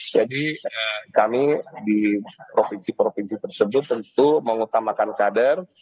jadi kami di provinsi provinsi tersebut tentu mengutamakan kader